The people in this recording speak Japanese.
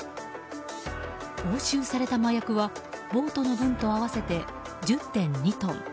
押収された麻薬は、ボートの分と合わせて１０．２トン。